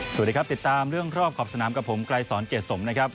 สวัสดีครับติดตามเรื่องรอบขอบสนามกับผมไกรสอนเกรดสมนะครับ